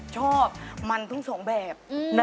ชอบมันทั้งสองแบบ